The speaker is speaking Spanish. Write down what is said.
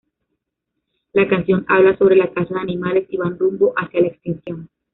La canción habla sobre la caza de animales, y van rumbo hacia la extinción.